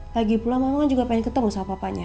lagi pula mama kan juga pengen ketemu sama papanya